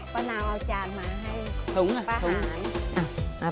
ปะนาวเอาจานมาให้ปะหาย